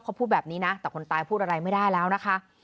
เขาพูดแบบนี้นะแต่คนตายพูดอะไรไม่ได้แล้วนะคะ